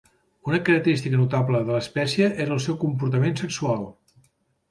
Una característica notable de l'espècie és el seu comportament sexual.